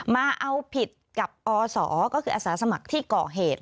มาเอาผิดกับอศก็คืออาสาสมัครที่ก่อเหตุ